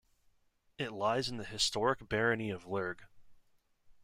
It lies in the historic barony of Lurg.